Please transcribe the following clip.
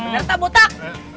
bener tak butak